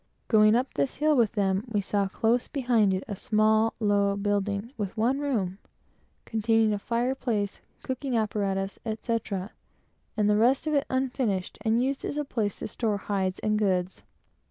Going up this hill with them, we saw, just behind it, a small, low building, with one room, containing a fire place, cooking apparatus, etc., and the rest of it unfinished, and used as a place to store hides and goods.